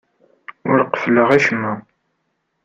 Ur qeffleɣ acemma.